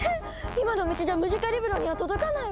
今の道じゃムジカリブロには届かないわ！